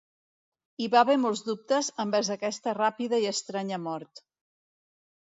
Hi va haver molts dubtes envers aquesta ràpida i estranya mort.